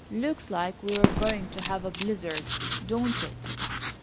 Looks like we were going to have a blizzard, don't it?"